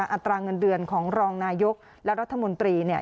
อัตราเงินเดือนของรองนายกและรัฐมนตรีเนี่ย